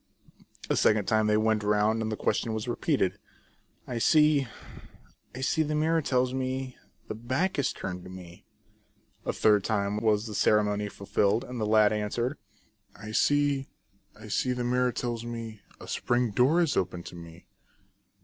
A second time they went round, and the question was repeated. " I see, I see, the mirror tells me, The back is turned to me." A third time was the ceremony fulfilled, and the lad answered :" I see, I see, the mirror tells me, A spring door is open to me."